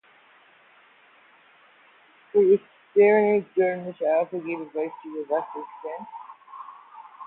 For this Serenade Joachim also gave advice, although to a lesser extent.